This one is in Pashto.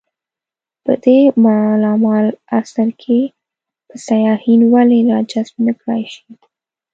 په دې مالامال عصر کې به سیاحین ولې راجذب نه کړای شي.